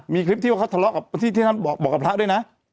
มีคลิปที่ว่าเขาทะเลาะกับที่ท่านบอกกับพระด้วยนะ